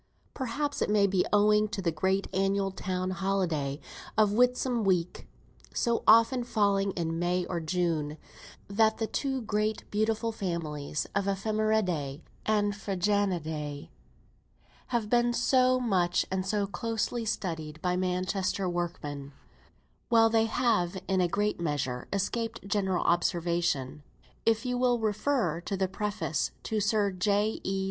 Perhaps it may be owing to the great annual town holiday of Whitsun week so often falling in May or June that the two great, beautiful families of Ephemeridæ and Phryganidæ have been so much and so closely studied by Manchester workmen, while they have in a great measure escaped general observation. If you will refer to the preface to Sir J. E.